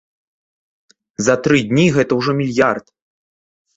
За тры дні гэта ўжо мільярд!